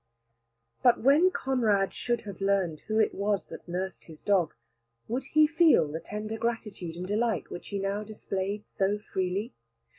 But when Conrad should have learned who it was that nursed his dog, would he feel the tender gratitude and delight which he now displayed so freely?